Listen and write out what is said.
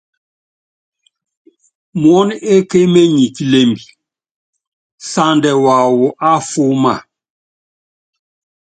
Muɔ́n ekémenyi kilembi, sandɛ waawɔ afúúma.